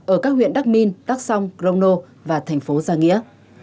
ở các huyện đắc minh đắc song rông nô và thành phố gia nghĩa